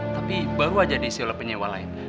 tapi baru aja disiul penyewa lain